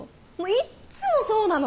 いっつもそうなの！